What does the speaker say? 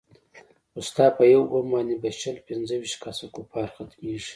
خو ستا په يو بم باندې به شل پينځه ويشت کسه کفار ختميګي.